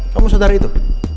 kamu sadar itu